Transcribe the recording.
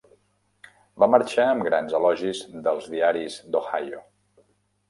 Va marxar amb grans elogis dels diaris d'Ohio.